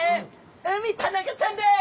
ウミタナゴちゃんです。